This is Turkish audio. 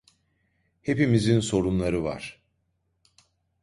Hepimizin sorunları var.